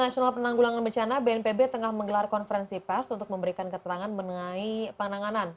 saat ini bnpb tengah menggelar konferensi pas untuk memberikan ketangan menengahi penanganan